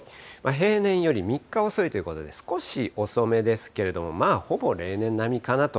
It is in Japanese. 平年より３日遅いということで、少し遅めですけれども、まあ、ほぼ例年並みかなと。